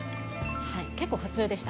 結構普通でした。